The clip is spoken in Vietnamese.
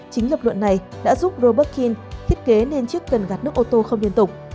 chính lập luận này đã giúp robert kin thiết kế nên chiếc cần gạt nước ô tô không liên tục